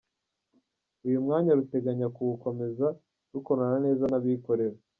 Uyu mwanya ruteganya kuwukomeza rukorana neza n’abikorera.